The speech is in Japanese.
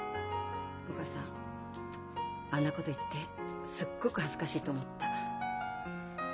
お母さんあんなこと言ってすっごく恥ずかしいと思った。